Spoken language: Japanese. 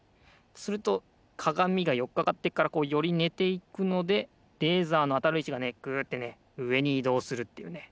するとかがみがよっかかってるからこうよりねていくのでレーザーのあたるいちがねグッてねうえにいどうするっていうね